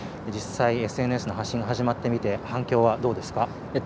実際、ＳＮＳの発信、始めてみて反響はどうですか。